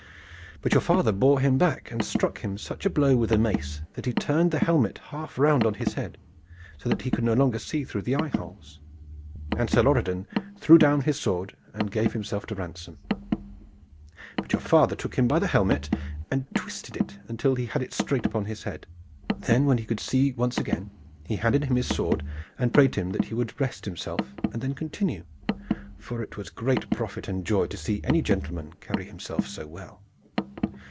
But your father bore him back and struck him such a blow with a mace that he turned the helmet half round on his head, so that he could no longer see through the eye holes, and Sir Lorredan threw down his sword and gave himself to ransom. But your father took him by the helmet and twisted it until he had it straight upon his head. Then, when he could see once again, he handed him his sword, and prayed him that he would rest himself and then continue, for it was great profit and joy to see any gentleman carry himself so well.